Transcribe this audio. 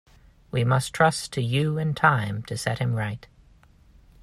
We must trust to you and time to set him right.